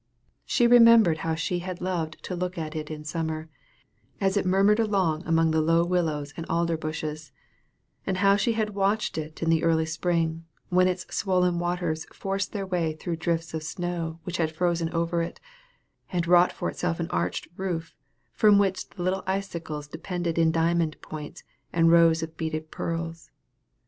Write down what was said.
She remembered how she had loved to look at it in summer, as it murmured along among the low willows and alder bushes; and how she had watched it in the early spring, when its swollen waters forced their way through the drifts of snow which had frozen over it, and wrought for itself an arched roof, from which the little icicles depended in diamond points and rows of beaded pearls.